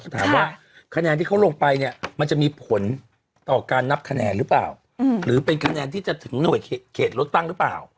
ถามว่าคะแนนที่เขาลงไปเนี่ยมันจะมีผลต่อการนับคะแนนหรือเปล่าหรือเป็นคะแนนที่จะถึงหน่วยเขตเลือกตั้งหรือเปล่า